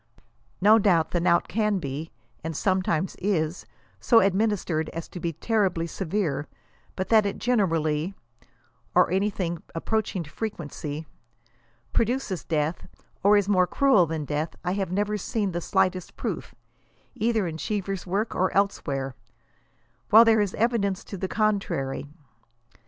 No doubt the knout can be, and sometimes is, so administered as to be terribly severe, but that it generally (or anything approaching to frequently,) produces death, or is more cruel than death, I have never seen the slightest proof, either in Cheevcr's work or elsewhere ; while there is evidence to the con trary.